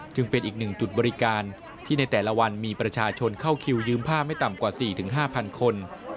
เป็นอีกหนึ่งจุดบริการที่ในแต่ละวันมีประชาชนเข้าคิวยืมผ้าไม่ต่ำกว่า๔๕๐๐คน